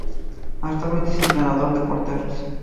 Actualmente es entrenador de porteros.